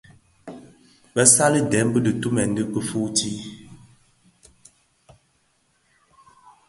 Bësali dèm bëtumèn kifuuti.